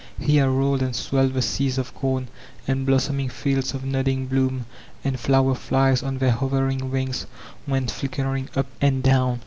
Here rolled and swelled die seas of com, and blossoming fields of nodding bloom; and flower flies on their hovering wings went flickering np and down.